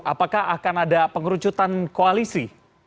apakah akan ada pengerucutan koalisi